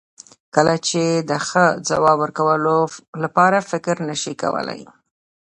کله چې د ښه ځواب ورکولو لپاره فکر نشې کولای.